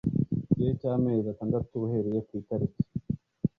gihe cy amezi atandatu uhereye ku itariki